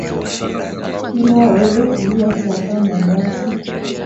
Pia waweza tumia Chapa mandashi